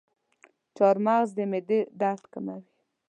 چارمغز د معدې درد کموي.